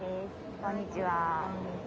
こんにちは。